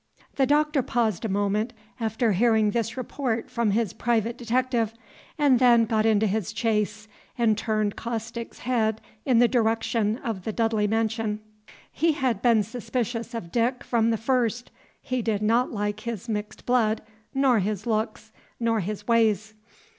The Doctor paused a moment, after hearing this report from his private detective, and then got into his chaise, and turned Caustic's head in the direction of the Dudley mansion. He had been suspicious of Dick from the first. He did not like his mixed blood, nor his looks, nor his ways.